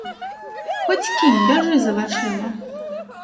Хоць кінь, бяжы за вачыма!